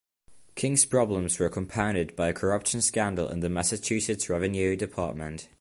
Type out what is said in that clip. King's problems were compounded by a corruption scandal in the Massachusetts Revenue Department.